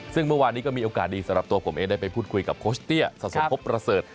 ซึ่งเมื่อวานนี้ก็มีโอกาสดีสำหรับตัวผมเองได้ไปพูดคุยกับโคชเตี้ยสะสมพบประเสริฐ